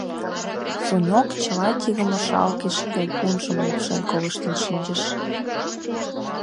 Суньог чыла тидым ошалге шинчавунжым лупшен колыштын шинчыш.